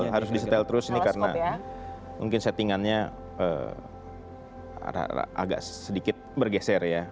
harus di setel terus ini karena mungkin settingannya agak sedikit bergeser ya